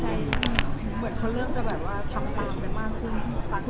เหมือนเขาเริ่มจะแบบว่าทำตามไปมากขึ้น